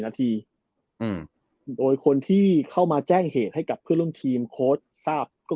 นาทีโดยคนที่เข้ามาแจ้งเหตุให้กับเพื่อนร่วมทีมโค้ชทราบก็คือ